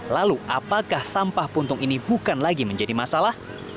lalu apakah sampah puntung ini bukan lagi menjadi masalah